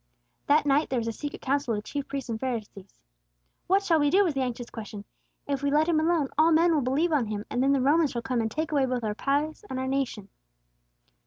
That night there was a secret council of the chief priests and the Pharisees. "What shall we do," was the anxious question. "If we let Him alone, all men will believe on Him; and the Romans shall come and take away both our place and our nation."